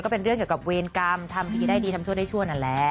เป็นเรื่องเกี่ยวกับเวรกรรมทำพิธีได้ดีทำชั่วได้ชั่วนั่นแหละ